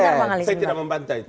saya tidak membantai itu